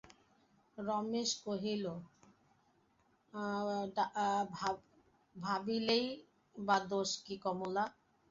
রমেশ কহিল, ডাকিলেই বা দোষ কী কমলা?